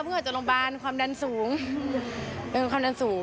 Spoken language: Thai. เพื่ออาจจะโรงพยาบาลความดันสูง